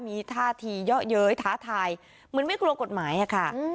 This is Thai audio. มีท่าทีเยาะเย้ยท้าทายเหมือนไม่กลัวกฎหมายอะค่ะ